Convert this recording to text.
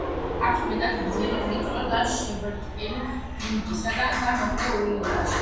აქვს მეტად გრძელი, ვიწრო და შებრტყელებული დინგი, სადა და მოკლე ულვაშები.